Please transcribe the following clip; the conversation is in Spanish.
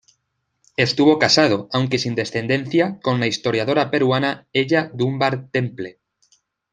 Estuvo casado, aunque sin descendencia, con la historiadora peruana Ella Dunbar Temple.